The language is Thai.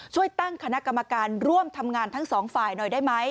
ช่วยตั้งคณะกรรมการร่วมทำงานทั้งสองฝ่ายหน่อยได้ไหม